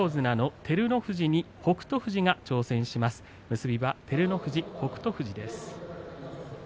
結びは照ノ富士、北勝富士です。